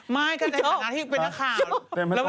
ไม่ครับแล้วเป็นคือเป็นนักข่าว